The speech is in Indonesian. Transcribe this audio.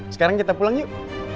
sekarang kita pulang yuk